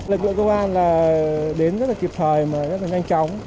lực lượng công an đến rất là kịp thời mà rất là nhanh chóng